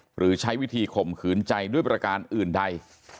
หรือใช้วิธีข่มขืนใจด้วยประการอื่นใด